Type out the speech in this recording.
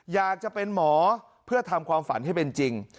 อยากจะเป็นหมอเพื่อทำความฝันให้เป็นจริง